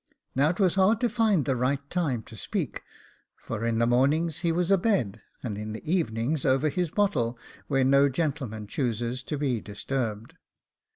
Now it was hard to find the right time to speak, for in the mornings he was a bed, and in the evenings over his bottle, where no gentleman chooses to be disturbed.